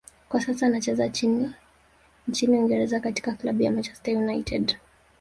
kwa sasa anacheza nchini Uingereza katika klabu ya Manchester United